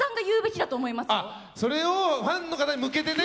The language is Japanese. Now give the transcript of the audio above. それをファンの方に向けてね！